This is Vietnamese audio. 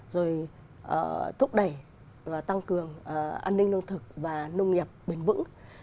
rồi thúc đẩy tăng cường an ninh lương thực và nông nghiệp bền vững